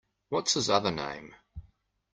What’s his other name?